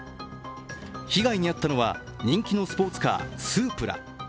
被害に遭ったのは、人気のスポーツカー、スープラ。